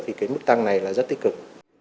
thì cái mức tăng này là rất tích cực